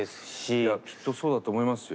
きっとそうだと思いますよ。